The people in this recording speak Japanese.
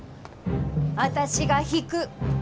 私が引く。